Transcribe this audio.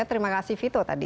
terima kasih vito tadi